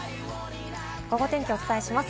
ゴゴ天気をお伝えします。